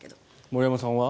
森山さんは？